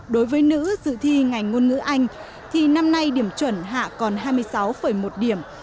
đối với nữ dự thi ngành ngôn ngữ anh thì năm nay điểm chuẩn hạ còn hai mươi sáu một điểm